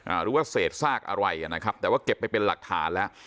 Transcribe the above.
หรือว่าเศษซากอะไรกันนะครับแต่ว่าเก็บไปเป็นหลักฐานแล้ว